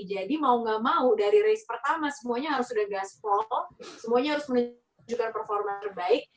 jadi mau gak mau dari race pertama semuanya harus udah gaspol semuanya harus menunjukkan performa terbaik